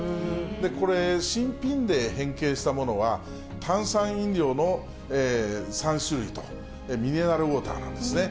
これ、新品で変形したものは、炭酸飲料の３種類とミネラルウォーターなんですね。